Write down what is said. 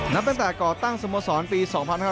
นับตั้งแต่ก่อตั้งสโมสรปี๒๕๕๙